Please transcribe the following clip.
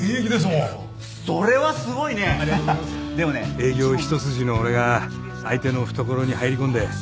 営業一筋の俺が相手の懐に入り込んで。